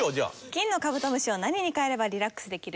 金のカブトムシを何に変えればリラックスできる？